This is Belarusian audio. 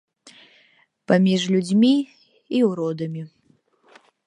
Паміж людзьмі і ўродамі.